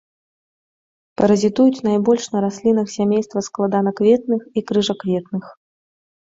Паразітуюць найбольш на раслінах сямейства складанакветных і крыжакветных.